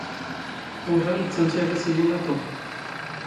ⵓⵔ ⴰⴷ ⵏⵏ ⵜⴰⵎⴷ ⴰⵢⵍⵍⵉ ⵙ ⵉⵢⵉ ⵉⵏⵏⴰ ⵜⵓⵎ!